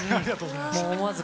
思わず、